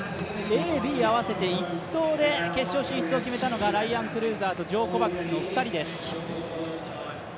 Ａ、Ｂ合わせて１投で決勝進出を決めたのがライアン・クルーザーとジョー・コバクスの２人です。